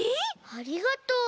ありがとう。